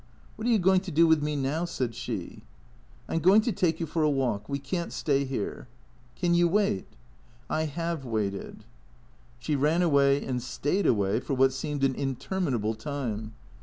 " What are you going to do with me now ?" said she. " I 'm going to take you for a walk. We can't stay here." " Can you wait ?"" I have waited." She ran away and stayed away for what seemed an inter minable time.